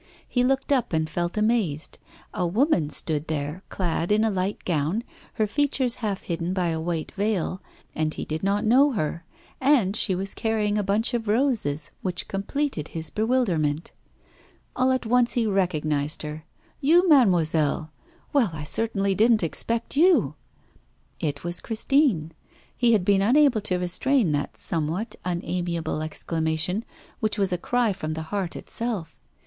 He looked up, and felt amazed; a woman stood there clad in a light gown, her features half hidden by a white veil, and he did not know her, and she was carrying a bunch of roses, which completed his bewilderment. All at once he recognised her. 'You, mademoiselle? Well, I certainly didn't expect you!' It was Christine. He had been unable to restrain that somewhat unamiable exclamation, which was a cry from the heart itself.